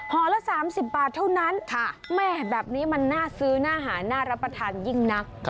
ละ๓๐บาทเท่านั้นแม่แบบนี้มันน่าซื้อน่าหาน่ารับประทานยิ่งนัก